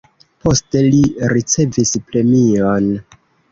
Poste li ricevis premion.